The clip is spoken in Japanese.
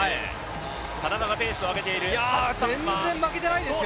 田中がペースを上げている。